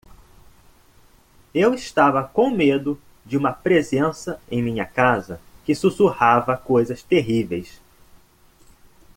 Eu estava com medo de uma presença em minha casa que sussurrava coisas terríveis.